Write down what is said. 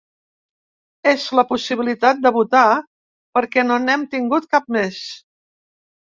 És la possibilitat de votar perquè no n’hem tingut cap més.